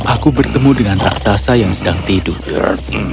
aku bertemu dengan raksasa yang sedang tidur derd